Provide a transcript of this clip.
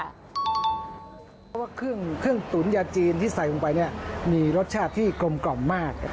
เพราะว่าเครื่องตุ๋นยาจีนที่ใส่ลงไปเนี่ยมีรสชาติที่กลมมาก